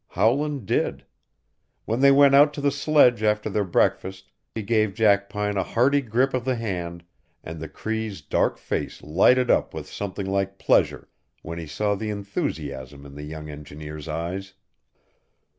Howland did. When they went out to the sledge after their breakfast he gave Jackpine a hearty grip of the hand and the Cree's dark face lighted up with something like pleasure when he saw the enthusiasm in the young engineer's eyes.